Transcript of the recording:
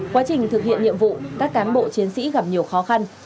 quá trình thực hiện nhiệm vụ các cán bộ chiến sĩ gặp nhiều khó khăn